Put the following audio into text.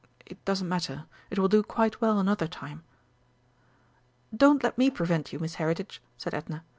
It doesn't matter it will do quite well another time." "Don't let me prevent you, Miss Heritage," said Edna.